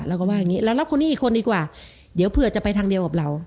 เราก็ว่าอย่างนี้เรารับคนนี้อีกคนดีกว่าเดี๋ยวเผื่อจะไปทางเดียวกับเรา